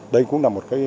đây cũng là một cái